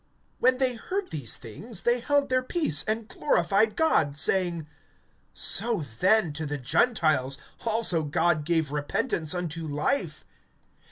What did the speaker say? (18)When they heard these things, they held their peace, and glorified God, saying: So then, to the Gentiles also God gave repentance unto life.